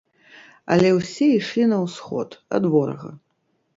Але ўсе ішлі на ўсход, ад ворага.